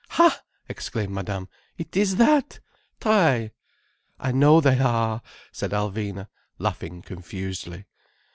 "Ha!" exclaimed Madame. "It is that! Try." "I know they are," said Alvina, laughing confusedly.